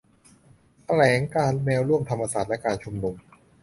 แถลงการณ์แนวร่วมธรรมศาสตร์และการชุมนุม